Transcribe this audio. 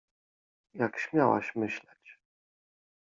— Jak śmiałaś myśleć?